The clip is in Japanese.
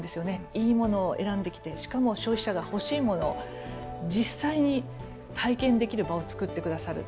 いいものを選んできてしかも消費者が欲しいものを実際に体験できる場をつくってくださる。